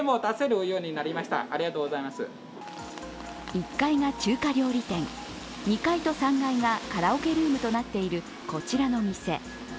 １階が中華料理店、２階と３階がカラオケルームとなっている、こちらの店。